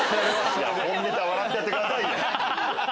本ネタ笑ってやってくださいよ！